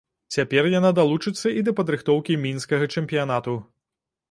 Цяпер яна далучыцца і да падрыхтоўкі мінскага чэмпіянату.